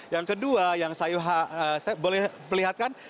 yang kedua yang saya boleh perlihatkan